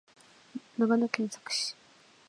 長野県佐久市